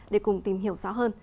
để cùng tìm hiểu rõ hơn